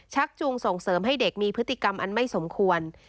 จูงส่งเสริมให้เด็กมีพฤติกรรมอันไม่สมควร